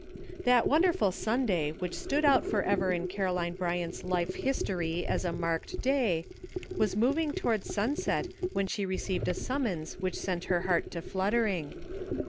THAT wonderful Sunday which stood out forever in Caroline Bryant's life history as a marked day, was moving toward sunset when she received a summons which set her heart to fluttering.